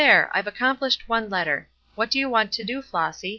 I've accomplished one letter. What do you want to do, Flossy?"